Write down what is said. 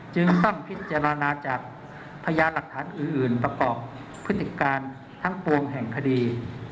จึงต้องพิจารณาจากพยานหลักฐานอื่นประกอบพฤติการทั้งปวงแห่งคดี